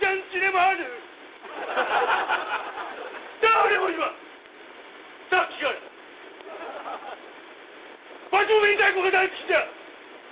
わしも明太子が大好きじゃ！